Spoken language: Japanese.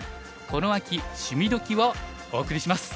この秋『趣味どきっ！』」をお送りします。